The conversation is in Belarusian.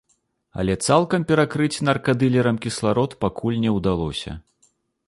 Але цалкам перакрыць наркадылерам кісларод пакуль не ўдалося.